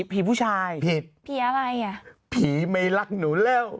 ผีผู้ชายผิดผีอะไรอ่ะผีไม่รักหนูแล้ว